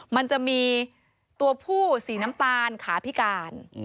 มันจะมีตัวผู้สีน้ำตาลขาพิการ